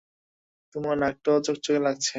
তোমার নাকটাও চকচকে লাগছে।